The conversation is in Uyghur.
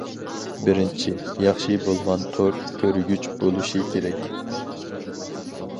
بىرىنچى، ياخشى بولغان تور كۆرگۈچ بولۇشى كېرەك.